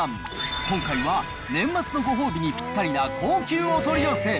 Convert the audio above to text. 今回は年末のご褒美にぴったりな高級お取り寄せ。